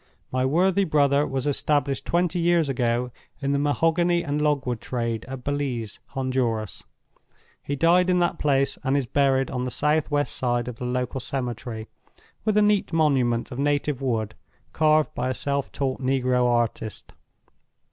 My worthy brother was established twenty years ago in the mahogany and logwood trade at Belize, Honduras. He died in that place; and is buried on the south west side of the local cemetery, with a neat monument of native wood carved by a self taught negro artist.